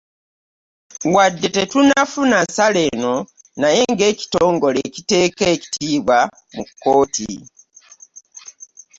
“Wadde tetunnafuna nsala eno naye ng'ekitongole ekiteeka ekitiibwa mu kkooti"